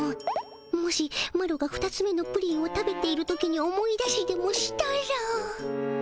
もしマロがふたつめのプリンを食べている時に思い出しでもしたら。